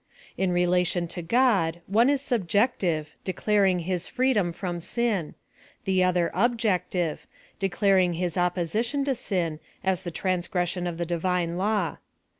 In relation to God, one is subjective, declar ing his freeedom from sin ; the other objective, de daring his opposition to sin, as the transgression of the divine law.